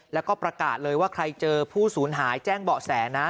แล้วก็ประกาศเลยว่าใครเจอผู้สูญหายแจ้งเบาะแสนะ